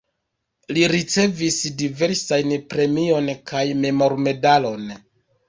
Li ricevis diversajn premion kaj memormedalon.